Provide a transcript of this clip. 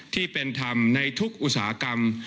ที่เป็นธรรมในทุกอุตสาหกรรม